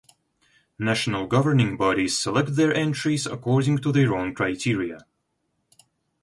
National governing bodies select their entries according to their own criteria.